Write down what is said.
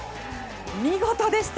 見事でした！